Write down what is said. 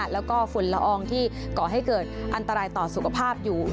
แล้วก็ฝุ่นละอองที่ก่อให้เกิดอันตรายต่อสุขภาพอยู่